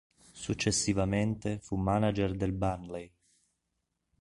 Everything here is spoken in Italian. Successivamente, fu manager del Burnley.